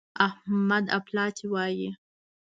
احمد اپلاتي وايي.